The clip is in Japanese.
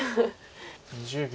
２０秒。